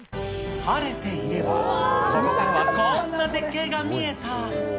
晴れていれば、本当ならこんな絶景が見えた。